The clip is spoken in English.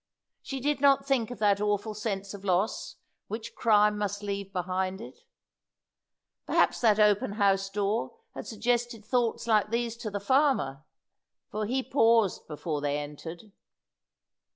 She did not think of that awful sense of loss which crime must leave behind it. Perhaps that open house door had suggested thoughts like these to the farmer, for he paused before they entered.